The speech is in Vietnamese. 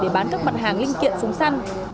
để bán các mặt hàng linh kiện súng săn